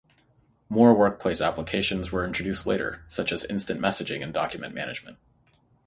More Workplace applications were introduced later, such as instant messaging and document management.